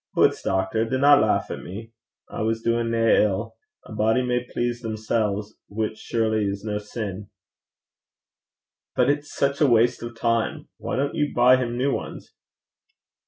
Hoots, doctor! dinna lauch at me. I was doin' nae ill. A body may please themsel's whiles surely, ohn sinned.' 'But it's such waste of time! Why don't you buy him new ones?'